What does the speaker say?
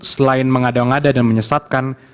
selain mengada ngada dan menyesatkan